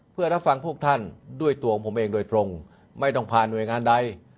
เพื่อรับฟังพวกท่านด้วยตัวของผมเองโดยตรงไม่ต้องผ่านหน่วยงานใด